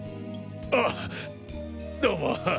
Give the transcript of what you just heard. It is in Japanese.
あどうも。